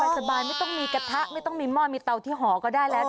สบายไม่ต้องมีกระทะไม่ต้องมีหม้อมีเตาที่ห่อก็ได้แล้ว